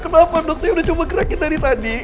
kenapa dokter saya udah coba gerakin dari tadi